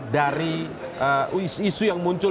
dari isu yang muncul